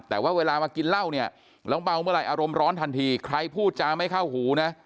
แต่ว่าเวลามากินเหล้าเนี่ยแล้วเมาเมื่อไหอารมณ์ร้อนทันทีใครพูดจาไม่เข้าหูนะ